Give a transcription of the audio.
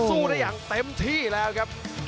สู้ได้อย่างเต็มที่แล้วครับ